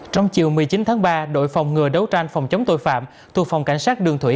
trong chiều một mươi chín tháng ba đội phòng ngừa đấu tranh phòng chống tội phạm thuộc phòng cảnh sát đường thủy